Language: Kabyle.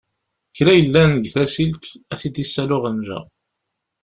Kra yellan deg tasilt, a-t-id-issali uɣenja.